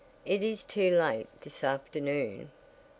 It is too late this afternoon."